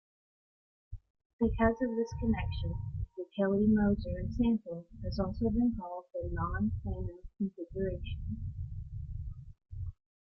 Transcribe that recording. Because of this connection, the Kelly-Moser example has also been called the non-Fano configuration.